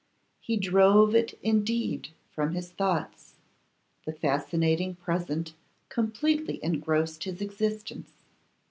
He drove it indeed from his thoughts; the fascinating present completely engrossed his existence.